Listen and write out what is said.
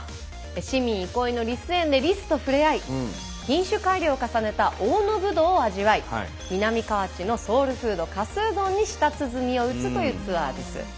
市民憩いのリス園でリスとふれあい品種改良を重ねた大野ぶどうを味わい南河内のソウルフードかすうどんに舌鼓を打つというツアーです。